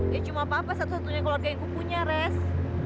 ya cuma papa satu satunya keluarga yang kupunya les